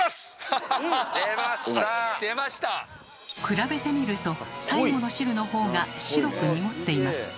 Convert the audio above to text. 比べてみると最後の汁のほうが白く濁っています。